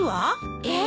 えっ！？